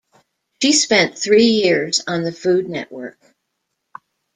She spent three years on the Food Network.